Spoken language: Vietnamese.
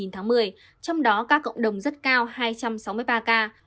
trong đó các cộng đồng rất cao hai trăm sáu mươi ba ca